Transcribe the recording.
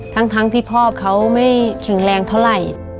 ทั้งที่พ่อเขาไม่แข็งแรงเท่าไหร่